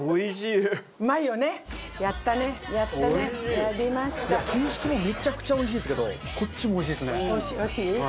いや旧式もめちゃくちゃおいしいんですけどこっちもおいしいですね。